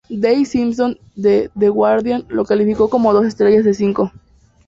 Dave Simpson de "The Guardian" lo calificó con dos estrellas de cinco.